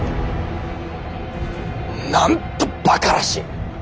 なんとバカらしい！